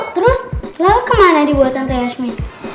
terus lala kemana dibuat tante yasmin